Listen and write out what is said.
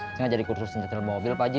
saya ngajar di kursus sengetil mobil pak haji